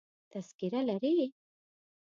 تذکره لرې؟